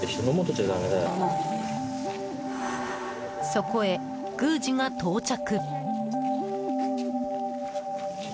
そこへ、宮司が到着。